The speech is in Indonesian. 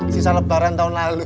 sisa lebaran tahun lalu